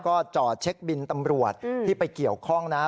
ก็จอดเช็คบินตำรวจที่ไปเกี่ยวข้องนะ